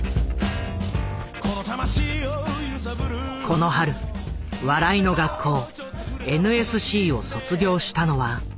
この春笑いの学校ＮＳＣを卒業したのは７００人ほど。